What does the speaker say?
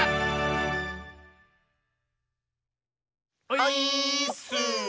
オイーッス！